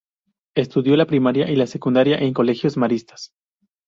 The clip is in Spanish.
Estudió la primaria y la secundaria en colegios maristas.